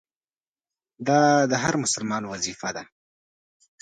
دا د هر مسلمان وظیفه ده.